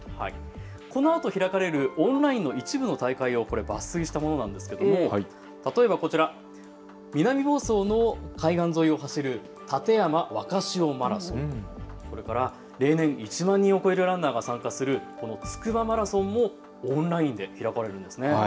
このあと開かれるオンラインの一部の大会を抜粋したものなんですが例えばこちら、南房総の海岸沿いを走る館山若潮マラソン、例年１万人を超えるランナーが参加する、つくばマラソンもオンラインで開かれるんです。